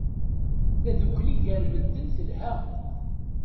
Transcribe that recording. Tadukli gar medden telha.